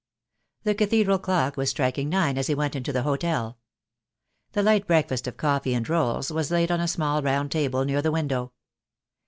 The cathedral clock was striking nine as he went into the hotel. The light breakfast of coffee and rolls was laid on a small round table near the window.